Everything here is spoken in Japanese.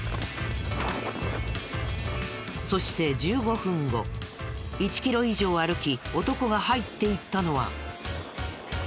そして１５分後１キロ以上歩き男が入っていったのは。